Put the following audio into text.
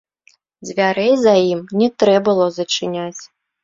Дзвярэй за ім не трэ было зачыняць.